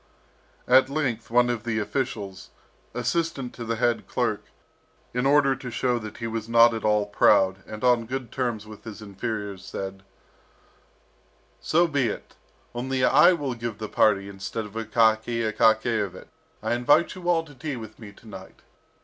At length one of the officials, assistant to the head clerk, in order to show that he was not at all proud, and on good terms with his inferiors, said: "So be it, only I will give the party instead of Akaky Akakiyevich; I invite you all to tea with me to night.